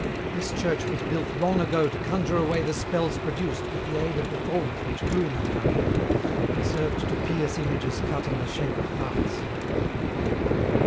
This church was built long ago to conjure away the spells produced with the aid of the thorns which grew in that country and served to pierce images cut in the shape of hearts."